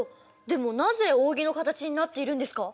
でもなぜ扇の形になっているんですか？